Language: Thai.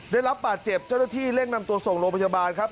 ได้รับบาดเจ็บเจ้าหน้าที่เร่งนำตัวส่งโรงพยาบาลครับ